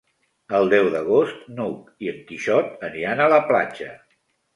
El deu d'agost n'Hug i en Quixot aniran a la platja.